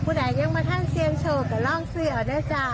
คุณแหละยังมาท่านเสียงโชคลองซื้อออกได้จ้า